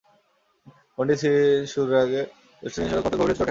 One day series শুরুর আগে West ইন্ডিজের ক্ষতটা আরও গভীর হয়েছে চোটের আঘাতে।